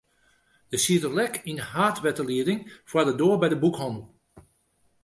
Der siet in lek yn de haadwetterlieding foar de doar by de boekhannel.